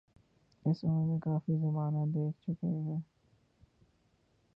اس عمر میں کافی زمانہ دیکھ چکے ہیں۔